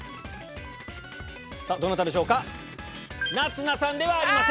さあ、どなたでしょうか。